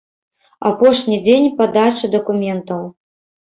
Апошні дзень падачы дакументаў.